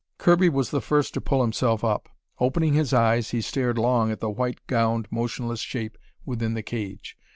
Kirby was the first to pull himself up. Opening his eyes, he stared long at the white gowned, motionless shape within the cage.